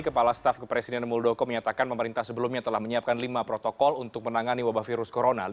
kepala staf kepresiden muldoko menyatakan pemerintah sebelumnya telah menyiapkan lima protokol untuk menangani wabah virus corona